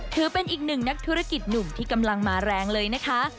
ถือเป็นอีกหนึ่งนักธุรกิจหนุ่มที่กำลังมาแรงเลยนะคะ